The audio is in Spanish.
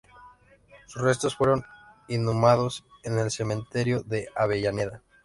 Sus restos fueron inhumados en el Cementerio de Avellaneda.